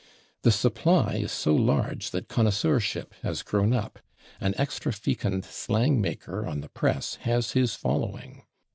The supply is so large that connoisseurship has grown up; an extra fecund slang maker on the press has his following.